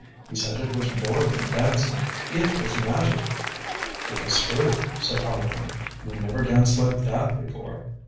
"He said it was more than dancing, it was magic." "It is true," said Harlequin, "you never danced like that before."